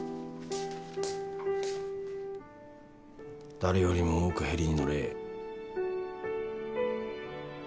「誰よりも多くヘリに乗れ」